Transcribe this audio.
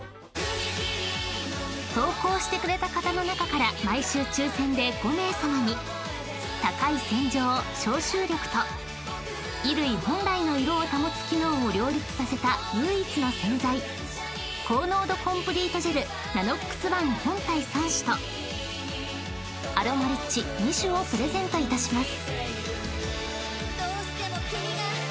［投稿してくれた方の中から毎週抽選で５名さまに高い洗浄消臭力と衣類本来の色を保つ機能を両立させた唯一の洗剤高濃度コンプリートジェルＮＡＮＯＸｏｎｅ本体３種とアロマリッチ２種をプレゼントいたします］